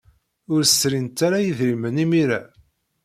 Ur srint ara idrimen imir-a.